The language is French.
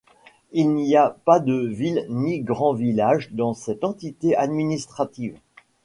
Il n'y a pas de villes ni grands villages dans cette entité administrative.